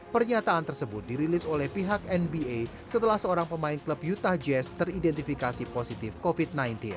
pernyataan tersebut dirilis oleh pihak nba setelah seorang pemain klub utah jazz teridentifikasi positif covid sembilan belas